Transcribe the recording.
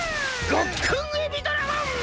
ゴックンエビドラゴン！